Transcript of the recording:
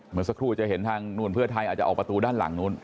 เมื่อสักครู่จะเห็นทางนู้นเพื่อไทยอาจจะออกประตูด้านหลังนู้น